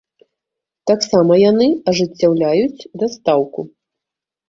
Таксама яны ажыццяўляюць дастаўку.